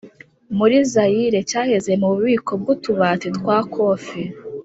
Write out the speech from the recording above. muri zayire cyaheze mu bubiko bw'utubati twa kofi